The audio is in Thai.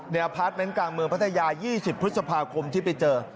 เนียร์พัฒน์ในกลางเมืองพัทยายี่สิบพฤษภาคมที่ไปเจอ